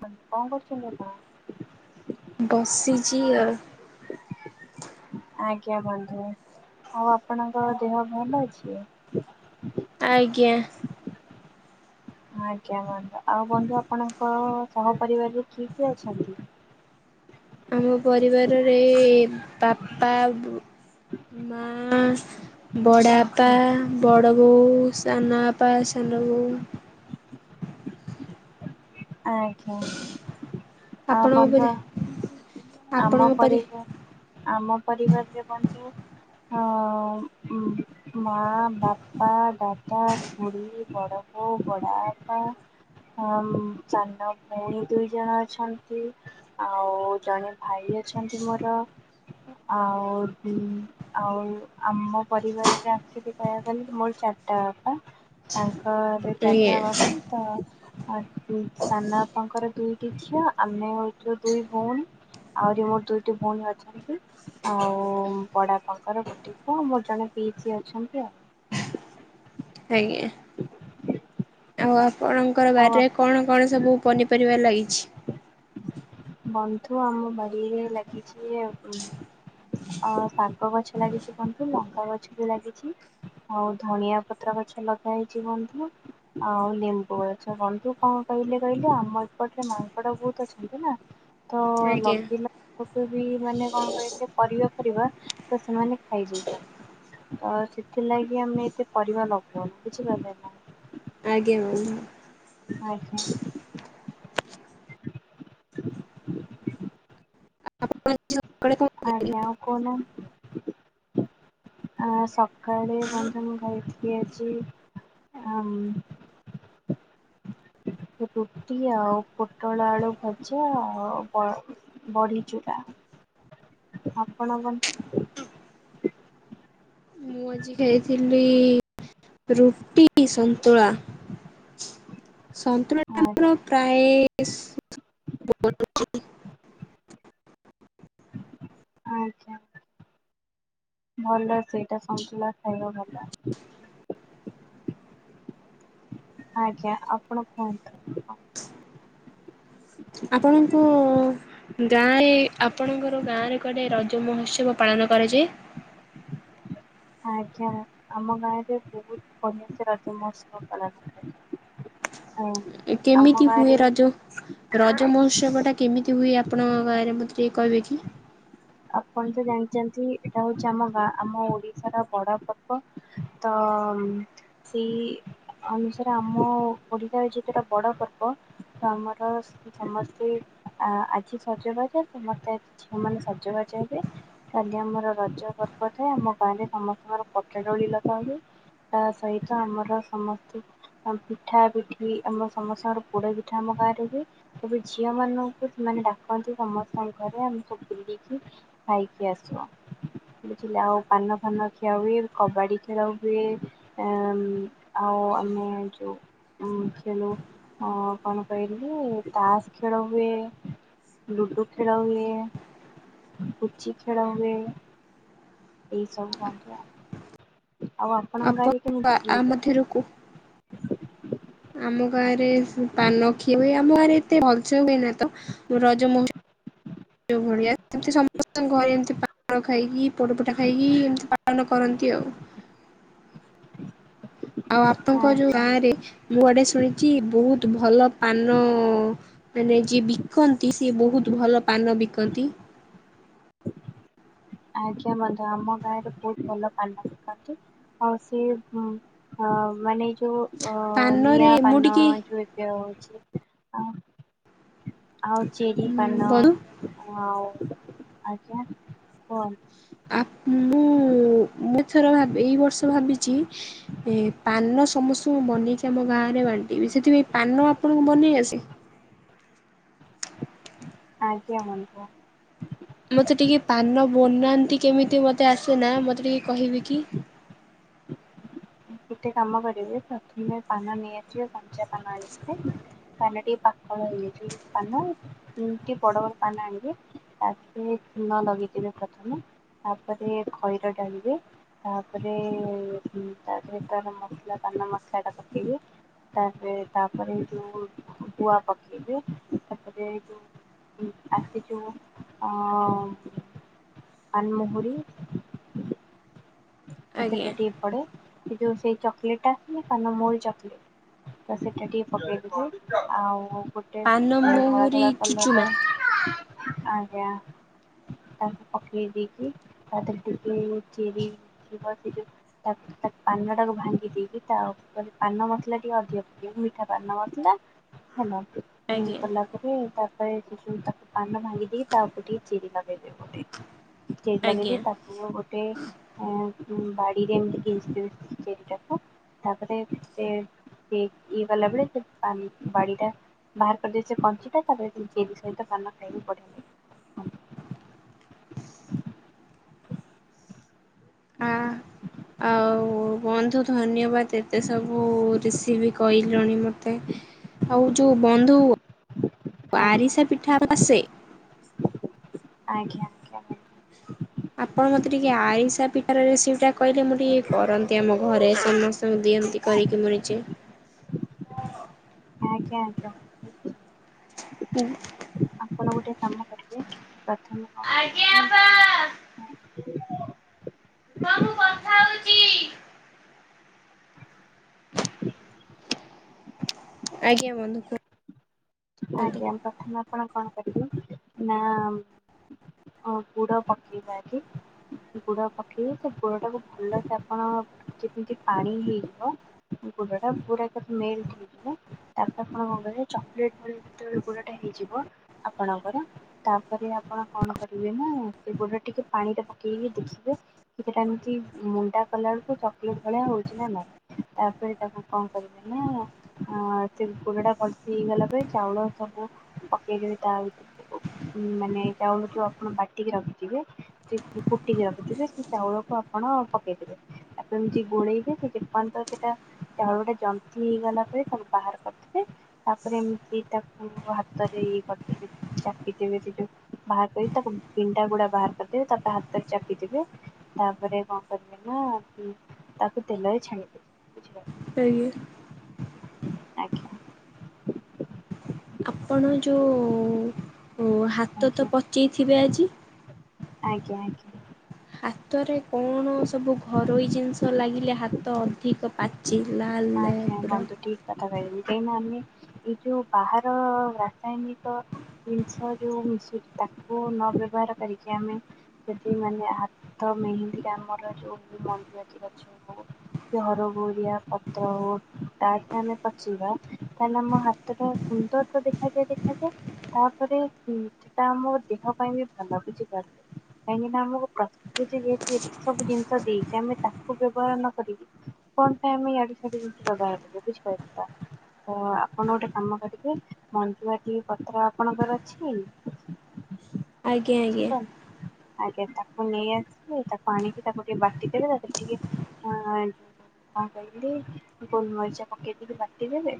କଁ କରୁଛନ୍ତି ଆପଣ? ବସିଚି ଆଉ। ଆଜ୍ଞା ବନ୍ଧୁ ଆଉ ଆପଣଙ୍କ ଦେହ ଭଲ ଅଛି? ଆଜ୍ଞା। ଆଜ୍ଞା [unintelligible] ଆଉ ବନ୍ଧୁ ଆପଣଙ୍କ ସହ ପରିବାରରେ କି କିଏ ଅଛନ୍ତି? ଆମ ପରିବାରରେ ବାପା ବୋ ମାଆ। ବଡ଼ାଅପା ବଡ଼ ବୋଉ ସାନ ବାପା ସାନ ବୋଉ। ଆଜ୍ଞା ଆ ଆପଣଙ୍କ ପରି ବନ୍ଧୁ ଆମ ଆପଣଙ୍କ ପରି ପରିବା ଆମ ପରିବାରରେ ବନ୍ଧୁ ଅ ଉମ୍ ମା, ବାପା, ଦାଦା, ଖୁଡ଼ୀ, ବଡ ବୋଉ, ବଡାଅପା ମୋମ୍ ସାନ ଭଉଣୀ ଦୁଇ ଜଣ ଅଛନ୍ତି। ଆଉ ଜଣେ ଭାଇ ଅଛନ୍ତି ମୋର ଆଉ ଉମ୍ ଆଉ ଆମ ପରିବାରରେ ଆସିକି କହିବାକୁ ଗଲେ ମୋର ଚାରିଟା ବାପା। ତାଙ୍କରେ ଆଜ୍ଞା ଚାରିଟା ବାପା ତା ଆଉ ଉଁ ସାନ ବାପାଙ୍କର ଦୁଇଟି ଝିଅ ଆମେ ହଉଚୁ ଦୁଇ ଭଉଣୀ। ଆଉରି ମୋର ଦୁଇଟି ଭଉଣୀ ଅଛନ୍ତି। ଆଉ ବଡାଅପାଙ୍କର ଗୋଟିଏ ପୁଅ ମୋର ଜଣେ ପିଇସୀ ଅଛନ୍ତି ଆଉ। ଆଜ୍ଞା। ଆଉ ଆପଣଙ୍କର ଆଉ ବାରିରେ କଣ କଣ ସବୁ ପନିପରିବା ଲାଗିଛି? ବନ୍ଧୁ ଆମ ବାଡିରେ ଲାଗିଛି ଉମ୍ ଆଉ ଶାଗ ଗଛ ଲାଗିଛି ବନ୍ଧୁ ଲଙ୍କା ଗଛ ବି ଲାଗିଛି। ଆଉ ଧଣିଆ ପତ୍ର ଗଛ ଲଗା ହେଇଛି ବନ୍ଧୁ। ଆଉ ଲେମ୍ବୁ ଗଛ ବନ୍ଧୁ କଣ କହିଲେ କହିଲେ ଆମର୍ ପଟେ ମାଙ୍କଡ ବହୁତ୍ ଅଛନ୍ତି ତ ନା ତ ଆଜ୍ଞା ଲଗିଲା। ତାକୁ ବି ମାନେ କଣ କହିଲେ ପରିବା ଫରିବା ତ ସେମାନେ ଖାଇଯାଉଛନ୍ତି। ତ ସେଥିଲାଗି ଆମେ ଏତେ ପରିବା ଲଗଉନୁ ବୁଝିପାରିଲେ ନା। ଆଜ୍ଞା [unintelligible] ଆଜ୍ଞା। [unintelligible] ଆପଣ ଆଜି ସକାଳେ କଣ ଆଜ୍ଞା ଆଉ କହୁନାହାଁନ୍ତି? ଆ ସକାଳେ ବନ୍ଧୁ ମୁଁ ଖାଇଥିଲି ଆଜି ଆମ୍ ରୁଟି ଆଉ ପୋଟଳ ଆଳୁ ଭଜା ଆଉ କଣ? ବଡ଼ିଚୂଡ଼ା। ଆପଣ କୁହନ୍ତୁ। ମୁଁ ଆଜି ଖାଇଥିଲି। ରୁଟି ସନ୍ତୁଳା ସନ୍ତୁଳା ଟା ଆମର ଆଜ୍ଞା ପ୍ରାୟେ ସ୍ ଆଛା। ଭଲ ସେଇଟା ସନ୍ତୁଲା ଖାଇବା ଭଲ। ଆଜ୍ଞା ଆପଣ କୁହନ୍ତୁ? ଆପଣଙ୍କୁ ଗାଁରେ ଆପଣଙ୍କର ଗାଁରେ କୁଆଡ଼େ ରଜ ମହୋତ୍ସବ ପାଳନ କରାଯାଏ? [unintelligible] ଆଜ୍ଞା ଆମ ଗାଁରେ ବହୁତ ବଢ଼ିଆ ସେ ରଜ ମହୋତ୍ସବ ପାଳନ କରା ଯାଏ। [unintelligible] କେମିତି ହୁଏ ରଜ ରଜ ମହୋତ୍ସବ ଟା କେମିତି ହୁଏ ଆପଣଙ୍କ ଗାଁରେ ମ କିଏ କହିବେ କି? ଆପଣ ତ ଜାଣିଛନ୍ତି ଏଇଟା ହଉଛି ଆମ ଗାଁ ଆମ ଓଡିଶାର ବଡ ପର୍ବ। ତ ସେଇ ଅନୁସାରେ ଆମ ଓଡ଼ିଶାର ଯେତେଟା ବଡ଼ ପର୍ବ। ତ ଆମର ସମସ୍ତେ ଆ ଆଜି ସଜବାଜା ସମସ୍ତେ ଆଜି ଝିଅ ମାନେ ସଜ ସଜ ବାଜ ହେବେ। ଆଜ୍ଞା ଆମର ରଜ ପର୍ବ ଟା, ଆମ ଗାଁ ରେ ସମସ୍ତଙ୍କର ପଟା ଦୋଳି ଲଗା ହୁଏ। ତା ସହିତ ଆମର ସମସ୍ତେ ଆମ୍ ପିଠା, ପିଠି ଆମ ସମସ୍ତଙ୍କର ପୋଡ ପିଠା ଆମ ଗାଁ ରେ ହୁଏ। ସବୁ ଝିଅ ମାନଙ୍କୁ ସେମାନେ ଡାକନ୍ତି, ସମସ୍ତଙ୍କ ଘରେ ଆମେ ସବୁ ବୁଲି କି ଖାଇକି ଆସୁ ଆ। ବୁଝିଲ ଆଉ ପାନ, ଫାନ ଖିଆ ହୁଏ, କବାଡି ଖେଳ ହୁଏ। ୟା-ମ୍-ଆଉ ଆମେ ଯୋଉ ଉଁ- ଖେଳୁ ଅଁ-କଣ କହିଲୁ ତାସ୍ ଖେଳ ହୁଏ। ଲୁଡୁ ଖେଳ ହୁଏ। ପୁଚି ଖେଳ ହୁଏ। ଏଇ ସବୁ କଟ୍ରା, ଆଉ ଆପଣଙ୍କ ଆପଣ ଗାଁରେ କେମିତି ଆ ସେଲିବ୍ରେସନ୍ ମଧ୍ୟରୁ ହୁଏ? କୁ ଆମ ଗାଁ ରେ ସେ ପାନ ଖୀଏ ହୁଏ ଆମ ଗାଁ ରେ ଏତେ ରଜ ହୁଏନା ତ ରଜ ମୋଉ ଯୋଉ ଭଳିଆ ଏଠି ସମସ୍ତଙ୍କ ଘରେ ଏମତି ପାନ ଖାଇକି ପୋଡପିଠା ଖାଇକି ଏମତି ପାଳନ କରନ୍ତି ଆଉ। [inaudible] ଆଉ ଆପଣଙ୍କ ଯୋଉ ଆଜ୍ଞା। ଗାଁ ରେ ମୁଁ ଆଡ଼େ ଶୁଣିଛି ବହୁତ ଭଲ ପାନ ନ ମାନେ ଯିଏ ବିକନ୍ତି ସେ ଇଏ ବୋହୁତ୍ ଭଲ ପାନ ବିକନ୍ତି। ଆଜ୍ଞା ବନ୍ଧୁ ଆମ ଗାଁରେ ବହୁତ୍ ଭଲ ପାନ ବିକନ୍ତି। ହଁ ସିଏ ଉଁ ଉଁ ହଁ ମାନେ ଏ ଯୋଉ ଅ ଅ ପାନରେ ନିଆଁ ମୁଁ ପାନ ଟିକେ ଯୋଉ ଏ ଇଏ ହଉଛି ଆଉ ଆଉ ଚିରି ପାନ ବନ୍ଧୁ ଆଉ ଆଜ୍ଞା। କୁହନ୍ତୁ? ଆପ୍ ମୁଁ ମୁଁ ଥର ଭାବି ଏଇ ବର୍ଷ ଭାବିଛି ଇଁ ପାନ ସମସ୍ତଙ୍କୁ ବନେଇ କି ଆମ ଗାଁରେ ବାଣ୍ଟିବି ସେଥିପାଇଁ ପାନ ଆପଣଙ୍କୁ ବନେଇ ଆସେ? ଆଜ୍ଞା ମଣିପୁଅ। ମୋତେ ଟିକେ ପାନ ବନାନ୍ତି କେମିତି ମୋତେ ଆସୁନା ମୋତେ ଟିକେ କହିବେକି? ଗୋଟେ କାମ କରିବେ ପ୍ରଥମେ ପାନ ନେଇଆସିବେ କଞ୍ଚା ପାନ ଆଣିଥିବେ। ପାନ ଟିକେ ପାକଳ ହେଇଯାଇଛି ପାନ। ହୁଁ ଟିକେ ବଡ ବଡ ପାନ ଆଣିବେ ତାକୁ ଟିକେ ଚୁନ ଲଗେଇଦେବେ ପ୍ରଥମେ। ତାପରେ ଖଇର ଢାଳିବେ ତାପରେ ଉଁ ତା ଭିତରେ ମସ୍ଲା ପାନ ମସ୍ଲା ଟା ପକେଇବେ। ତାପରେ ତାପରେ ଏ ଯୋଉ ଗୁଆ ପକେଇବେ ତାପରେ ଏ ଯୋଉ। ଉଁ ଆସିଚି ମୁଁ ଅଁ ପାନ୍ ମହୁରୀ। ସେଟା ଆଜ୍ଞା ଟିକେ ପଡେ ସେ ଯୋଉ ସେଇ ଚକ୍ଲେଟ୍ ଟା ଆସେନି ପାନ ମହୁରୀ ଚକ୍ଲେଟ୍। ତ ସେଟା ଟିକେ ପକେଇଦେବେ ଆଉ ଗୋଟେ ପାନ ଧଳା ମହୁରି ଧଳା କଲର୍ ର। ଚୁଚୁମା ଆଜ୍ଞା। ତାକୁ ପକେଇଦେଇକି ତାଥେରେ ଟିକେ ଚିରି ଥିବ ସେ ଯୋଉ। ଦେଇକି ତାକ୍ ତାକ୍ ପାନ ଟାକୁ ଭାଙ୍ଗି ଦେଇକି ତାର ଉପରେ ପାନ ମସଲା ଟିକେ ଅଧିକ ପକେଇବୁ ମିଠା ପାନ ମସ୍ଲା। ହେଲାଠୁ ଉଁ ଆଜ୍ଞା ପଲା। ପକେଇବୁ ତାପରେ ସେ ଯୋଉ ତାକୁ ପାନ ଭାଙ୍ଗି ଦେଇକି ତା ଉପରେ ଟିକେ ଚେରି ଲଗେଇଦେବ। [unintelligible] ଚେରି ଆଜ୍ଞା। ଲାଗେଇଦେଇ ତାକୁ ଗୋଟେ। ଅଁ ଙ୍କୁ ବାଡିରେ ଏମିତି ଗେଞ୍ଜି ଦେବେ ଚେରି ଟାକୁ ତାପରେ ସେ। ପିକ୍ ଇଏ କଲାପରେ ସେ ପାନ୍ ବାଡିଟା। ବାହାର କରିଦେଇକି ସେ ପାଞ୍ଚିଟା ତାପରେ ସେ ଚେରି ସହିତ ପାନ ଖାଇବେ ବଢିଆ ଲାଗେ। ହଁ ଆଉ [inaudible] ବନ୍ଧୁ ଧନ୍ୟବାଦ ଏତେ ସବୁ ରେସିବି କହିଲଣି ମତେ। ଆଉ ଯୋଉ ବନ୍ଧୁ ଲାଗିବ ଆଜ୍ଞା ଆରିସା ପିଠା ଆସେ? ଆଜ୍ଞା। ଆଜ୍ଞା ଆପଣ ମତେ ଟିକେ ଆରିସା ପିଠାର ରେସିପି ଟା କହିଲେ ମୁଁ ଟିକେ କରନ୍ତି ଆମ ଘରେ ସମସ୍ତଙ୍କୁ ଦିଅନ୍ତି। କରିକି ମିଳୁଛି। ଆଜ୍ଞା ଆଜ୍ଞା [inaudible] ହୁଁ। ଆପଣ ଗୋଟେ କାମ କରିବେ ପ୍ରଥମେ କଣ ଆଜ୍ଞା କରିବେ ଆପା ନା। [inaudible] ରୁହ ମୁଁ କଥା ହଉ [inaudible] ଆଜ୍ଞା ବନ୍ଧୁ କୁ ଆଜ୍ଞା ପ୍ରଥମେ ଆପଣ କଣ କରିବେ ନା। ଅଁ ଗୁଡ଼ ପକେଇବେ ଆଗେ। ଗୁଡ ପକେଇ ସେ ଗୁଡ ଟାକୁ ଭଲସେ ଆପଣ ଯେମିତି ପାଣି ହେଇଯିବ। ଗୁଡ଼ ଟା ପୁରା ଯେତେ ମେଲଟ୍ ହେଇଯିବ ତାପରେ ଆପଣ କଣ କରିବେ ଚକ୍ଲେଟ୍। ଆଉ ଯେତେବେଳେ ଗୁଡ ଟା ହେଇଯିବ ଆପଣଙ୍କର। ତାପରେ ଆପଣ କଣ କରିବେ ନା ସେ ଗୁଡରୁ ଟିକେ ପାଣିରେ ପକେଇକି ଦେଖିବେ। କିଟା ଏମିତି ମୁଣ୍ଡା କଲାବଳୁ କୁ ଚକଲେଟ୍ ଭଳିଆ ହଉଚି ନା ନାଇଁ। ତାପରେ ତାକୁ କଣ କରିବେନା ଆଁ ସେ ଗୁଡ଼ ଟା ଭଲ୍ସେ ହେଇଗଲା। ସେ ଚାଉଳ ସବୁ ପକେଇକିରି ତା ଉ ମାନେ ଚାଉଳ ଯୋଉଆପଣ ବାଟିକି ରଖିଥିବେ। ସେ କୁଟିକି ରଖୁଛିବେ ସେ ଚାଉଳକୁ ଆପଣ ପକେଇଦେବେ। ତାପତି ଗୋଣେଇବେ ସେ ଯେପ ତ ସେଇଟା ଚାଉଳ ଗଟା ଜନ୍ତି ହେଇଗଲା ପରେ ତାକୁ ବାହାର କରିଦେବେ ତାପରେ ସେ ତାାକୁ ହାତରେ ଇଏ କରିଦେବି ଚାପିଦିବବେ ବାହାର କରି ତାକୁ ବିିଣ୍ଡା ଗୁଡା ବାହାର କରିଦେବେ ତାପରେ ହାତରେ ଚାପିଦବେ। ତାପରେ କଣ କରିବେ ନା କି ତାକୁ ତେଲରେ ଛାଣିଦବେ ବୁଝିପ କରଏ [inaudible] ଆଜ୍ଞା। ଆପଣ ଯେଉଁ ହାତ ତ ଆଜ୍ଞା ପଚେଇଥିବେ ଆଜି। ଆଜ୍ଞା ଆଜ୍ଞା। ହାତରେ କଣ ସବୁ ଘରୋଇ ଜିନିଷ ଲାଗିଲେ ହାତ ଅଧିକ ପା ଚି ଲାଲ ନା ଆଜ୍ଞା ପୁରା। ବନ୍ଧୁ ଠିକ କଥା କହିବି କାହିଁକିନା ଆମେ ଏଇ ଯୋଉ ବାହାର ରାସାୟନିକ। ଜିନିଷ ଯୋଉ ମିଶୁଛି ତାକୁ ନ ବ୍ୟବହାର କରି ଆମେ ଯଦି ମାନେ ହାତ ମେହନ୍ଦି ଆମର ଯୋଉ ମଞଜୁୁରତି ଗଛ ହ। ହ [inaudible] ହରଗୋରୀଆ ପତ୍ର ହଉ ତାଠରେ ଆମେ ପଚେଇିବା ତାଲେ ଆମ ହାତର ସୁନ୍ଦର ତ ଦେଖାଯାଏ ଦେଖାଯାଏ ତାପରେ ସେଟା ଆମ ଦେହ ପାଇଁ ବି ଭଲ ଲାଗୁଛି ଏମ [unintelligible] ଯେହେତୁ ଏତେ ସବୁ ଜିନିଷ ଦେଇଛି ଆମେ ତାହାକୁ ବ୍ୟବହାର ନ କରିକରି। କଣ ପାଇଁ ଆମେ ଏଆଡୁସେଆଡୁଜିନିଷ ବ୍ୟବହାର କରିବା ବୁଝିପାରିଲେ ତ। ତ ଆପଣ ଗୋଟେ କାମ କରିବେ ମଞ୍ଜୁଆଟି ପତ୍ର ଆପଣଙ୍କର ଅଛି? ଆଜ୍ଞା ଆଜ୍ଞା କ ଆଜ୍ଞା ତାକୁ ନେଇ ଆସିଲେ ତାକୁ ଆଣିକି ତାକୁ ଟିକେ ବାଟି ଦେଲେ ତାରେ ଟିକେ ହଁ କହିଲି ଗୋଲ ମରିଚା ପକେଇଦି ବାଟି ଦେବେ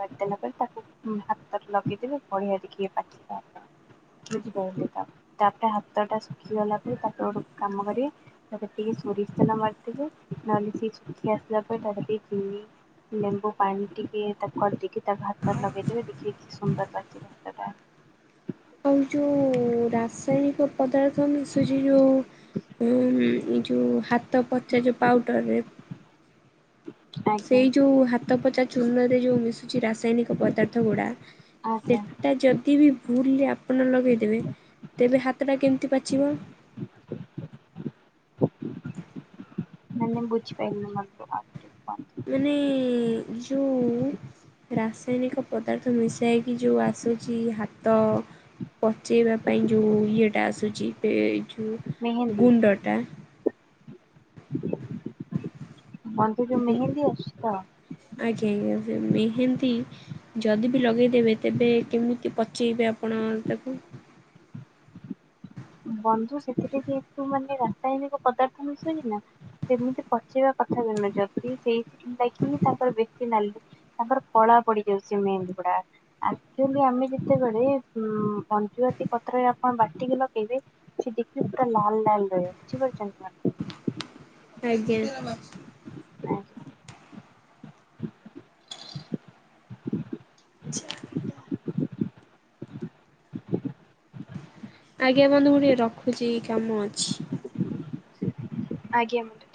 ବାଡ଼ି ଦେଲା ପରେ ତାକୁ ହାତରେ ଲଗେଇଦେଲେ ବଢିଆ ଦେଖିକ ପାଚିବେ ଆପଣ ର ତାପରେ ହାତ ଟା ଶୁଖି ଗଲା ପରେ ତାପରେ ଗୋଟେ କାମ କରି ତା ଟିକେ ସୋରି ଷ ତେଲ ମାରିଥିବେ ନହେଲେ ସେ ସୁଖି ଆସିଲ ପରେ ତାକୁ ଟିକେ ଚିି। ଲେମ୍ବୁ ପାଣି ଟିକେ ତାକୁ କରିଦେଇକି ତା ହାତରେ ଲଗେଇଦେବେ ଦେଖିବେ କିସୁନ୍ଦର ପାଚିବ। ସେଇଟା। ଆଉ ଯୋଉ ରାସାୟନିକ ପଦାର୍ଥ ମିଶ ତ ଯେ ଯେଉଁ ଏ ଯେଉଁ ହାତ ପଚା ଯେଉଁ ପାଉଡ଼ରରେ। ଆଜ୍ଞା ସେଇ ଯୋଉ ହାତ ପୋଚା ଚୂର୍ଣ୍ଣରେ ଯୋଉ ମିଶୁଛି ରାସାୟନିକ ପଦାର୍ଥ ଗୁଡା। ଆଜ୍ଞା ସେଟା ଯଦି ବି ଭୁଲରେ ଆପଣ ଲଗେଇଦେବେ ତେବେ ହାତଟା କେମିତି ପାଚିବ। [inaudible] ନେ ବୁଝି ପାଇଲିନି। ମାନେ ଯୋଉ ରାସାୟନିକ ପଦାର୍ଥ ମିଶାଇକି ଯେଉଁ ଆସୁଛି ହାତ ପଚେଇବା ପାଇଁ ଯୋଉ ଇଏଟା ଆସୁଛି ଯୋଉ ମେହେନ୍ଦୀ ଗୁଣ୍ଡଟା। ମ ତୁ ଯଉ ଗୁ ମେହେନ୍ଦି ଆଛି ତ। ଆଜ୍ଞା, ଆଜ୍ଞା, ମେହେ ଯଦି ବି ଲଗେଇଦେବେ ତେବେ କେମିତି ପଚେଇବେ ଆପଣ ତାକୁ? ବନ୍ଧୁ ସେଥିରେ ଯେହେତୁ ମାନେ ରାସାୟନିକ ପଦାର୍ଥ ମିଶୁଛିି ନା? ସେମିତି ପଚେଇବା କଥା ନୁହେଁ, ଯଦି ସେଇଥି ଲାଗି ହିଁ ତାଙ୍କର ବେଶୀ ନାଲି। ତାପରେ କଳା ପଡି ଯାଉଛି ମେହେନ୍ଦୀ ଗୁଡା। ଆକଚୋଲି ଆମେ ଯେତେବେଳେ ଉଁ ମଞ୍ଜୁଆତି ପତ୍ର ଆପଣ ବାଟିକି ଲ ଇବେ ସେ ଦେଖିବେ ପୁରା ଲାଲ ଲାଲ ରହିବ ବୁଝିପାରୁଚନ୍ତି ନା? ଆଜ୍ଞା। [inaudible] ଚିକେନ। ଆଜ୍ଞା ବନ୍ଧୁ ମୁଁ ଟିକେ ରଖୁଚି କାମ ଅଛି। ଆଜ୍ଞା ମ୍ୟାଡା